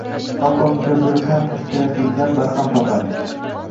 xalq ongida bir qancha stereotiplar barham topadi.